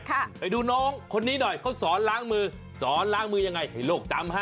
ไปดูน้องคนนี้หน่อยเขาสอนล้างมือสอนล้างมือยังไงให้โลกจำฮะ